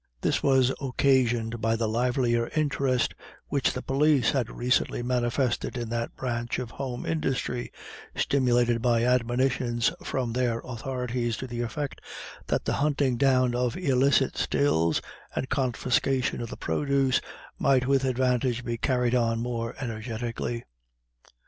This was occasioned by the livelier interest which the police had recently manifested in that branch of home industry, stimulated by admonitions from their authorities to the effect that the hunting down of illicit stills, and confiscation of the produce, might with advantage be carried on more energetically.